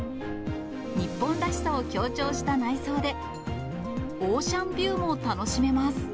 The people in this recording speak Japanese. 日本らしさを強調した内装で、オーシャンビューも楽しめます。